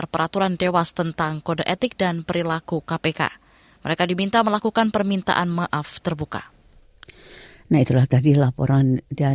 pertama kali kita berkahwin